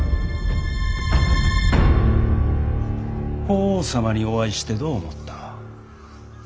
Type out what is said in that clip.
法皇様にお会いしてどう思った。